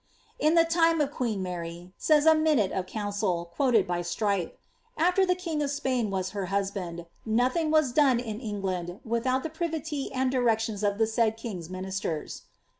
^ In the time of queen Mary,'' says a minute of council, quoted by Strype, ^^ after the king of Spain was her husband, nothing was done in England but with the privity and directions of the said king's ministers."